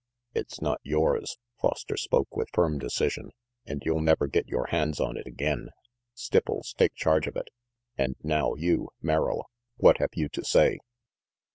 "It's not yours," Foster spoke with firm decision, "and you'll never get yore hands on it again. Stipples, take charge of it. And now you, Merrill what have you to say?"